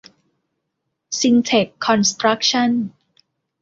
ซินเท็ค คอนสตรัคชั่น